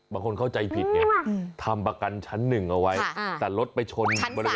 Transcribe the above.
บางคนเข้าใจผิดไงทำประกันชั้นหนึ่งเอาไว้แต่รถไปชนบริเวณ